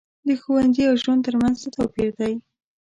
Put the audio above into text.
د ښوونځي او ژوند تر منځ څه توپیر دی.